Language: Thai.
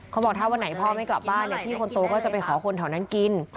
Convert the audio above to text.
เขาบอกถ้าวันไหนพ่อไม่กลับบ้านพี่คนโตก็จะไปขอคนแถวนั้นกิน